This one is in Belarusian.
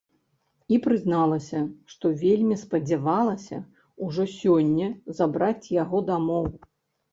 І прызналася, што вельмі спадзявалася ўжо сёння забраць яго дамоў.